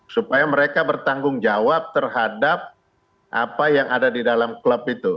supaya mereka bertanggung jawab terhadap apa yang ada di dalam klub itu